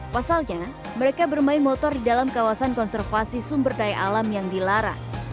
pasalnya mereka bermain motor di dalam kawasan konservasi sumber daya alam yang dilarang